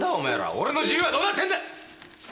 俺の自由はどうなってんだ！